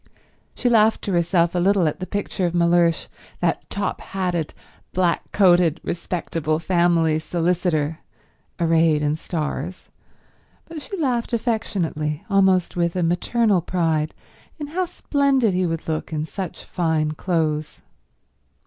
She laughed to herself a little at the picture of Mellersh, that top hatted, black coated, respectable family solicitor, arrayed in stars, but she laughed affectionately, almost with a maternal pride in how splendid he would look in such fine clothes.